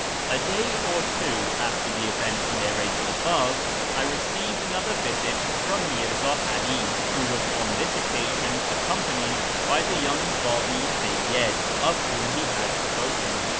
A day or two after the events narrated above I received another visit from Mirza 'Ali, who was on this occasion ac companied by the young Babi Seyyid of whom he had spoken.